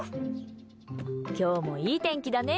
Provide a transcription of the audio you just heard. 今日もいい天気だね。